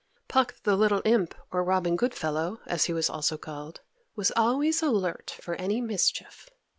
Puck, the little imp, or Robin Goodfellow, as he was also called, was always alert for any mischief.